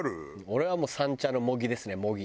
俺はもう三茶の茂木ですね茂木。